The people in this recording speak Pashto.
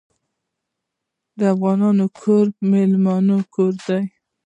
د افغان کور د میلمانه کور دی.